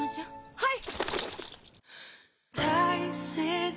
はい！